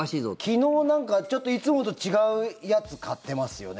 昨日、なんかちょっといつもと違うやつ買ってますよね？